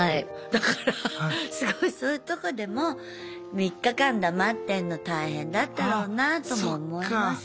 だからすごいそういうとこでも３日間黙ってんの大変だったろうなああそっか。とも思いますよ。